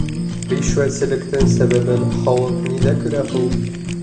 Ришүәтселектең сәбәбен халыҡ ниҙә күрә һуң?